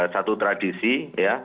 satu tradisi ya